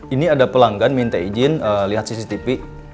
ini ada pelanggan minta izin lihat cctv